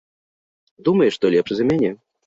Думае, што лепшы за мяне.